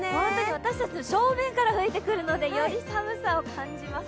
私たちの正面から吹いてくるのでより寒さを感じますね。